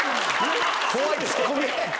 怖いツッコミ。